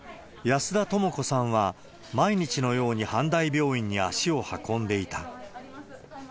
安田智子さんは、毎日のように阪大病院に足を運んでいた。